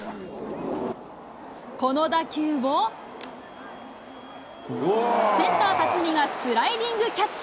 この打球をセンター、辰己がスライディングキャッチ。